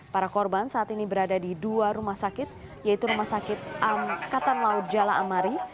para korban saat ini berada di dua rumah sakit yaitu rumah sakit angkatan laut jala amari